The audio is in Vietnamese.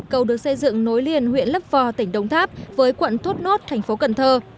cầu được xây dựng nối liền huyện lấp vò tỉnh đồng tháp với quận thốt nốt thành phố cần thơ